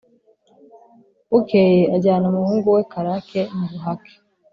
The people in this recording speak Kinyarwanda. bukeye ajyana umuhungu we karake mu buhake;